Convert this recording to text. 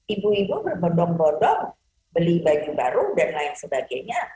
ibu ibu berbondong bondong beli baju baru dan lain sebagainya